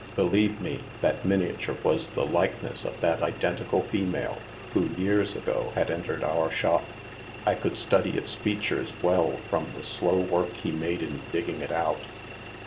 Believe me, that miniature was the like ness of that identical female who, years ago, had entered our shop. 1 could study its features well from the slow work he made in dig ging it out.